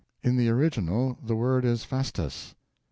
In the original the word is 'fastes'.